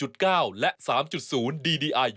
ตลอดกิน